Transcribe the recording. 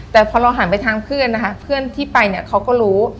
แต่พอเราหันไปทางเพื่อนนะคะเพื่อนที่ไปเนี่ยเขาก็รู้